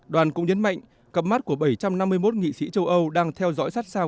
đoàn cũng nhấn mạnh cặp mắt của bảy trăm năm mươi một nghị sĩ châu âu đang theo dõi sát sao